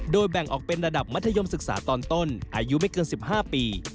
แบ่งออกเป็นระดับมัธยมศึกษาตอนต้นอายุไม่เกิน๑๕ปี